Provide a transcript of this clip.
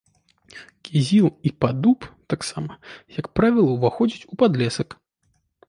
Кізіл і падуб таксама, як правіла, уваходзяць у падлесак.